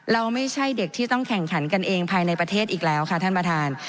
เราไม่ใช่เด็กที่ต้องแข่งขันกันเองภายในประเทศอีกแล้วค่ะท่านประธาน